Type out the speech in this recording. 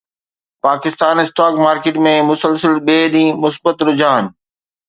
Pakistan stock market ۾ مسلسل ٻئي ڏينهن مثبت رجحان